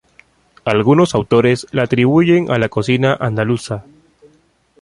Algunos autores la atribuyen a la cocina andaluza.